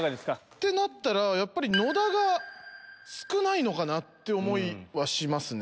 ってなったらやっぱり野田が少ないのかなって思いはしますね。